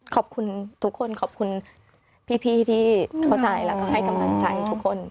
ขอบคุณทุกคนขอบคุณพี่ที่เข้าใจแล้วก็ให้กำลังใจทุกคน